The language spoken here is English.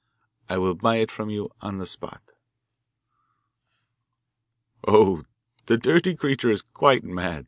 'I will buy it from you on the spot.' 'Oh, the dirty creature is quite mad!